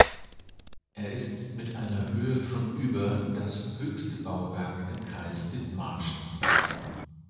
Er ist mit einer Höhe von über das höchste Bauwerk im Kreis Dithmarschen.